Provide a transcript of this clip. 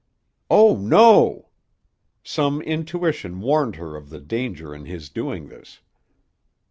"Oh, no!" Some intuition warned her of the danger in his doing this.